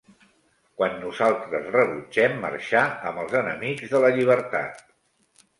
Quan nosaltres rebutgem marxar amb els enemics de la llibertat.